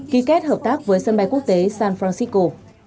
ký kết hợp tác với sân bay quốc tế san francisco